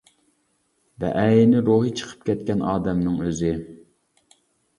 بەئەينى روھى چىقىپ كەتكەن ئادەمنىڭ ئۆزى.